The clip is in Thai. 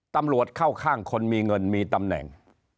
ตำรวจเข้าข้างคนมีเงินมีตำแหน่ง